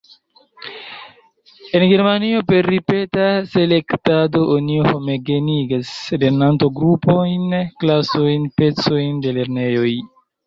En Germanio per ripeta selektado oni homogenigas lernanto-grupojn, klasojn, pecojn de lernejoj.